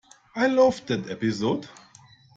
I loved that episode!